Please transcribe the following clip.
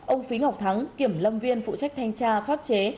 ông phí ngọc thắng kiểm lâm viên phụ trách thanh tra pháp chế